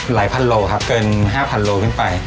หลายพันโลครับเกิน๕๐๐๐โลเท่าไหร่ไป